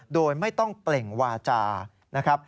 โดยไม่ต้องเปล่งวาจา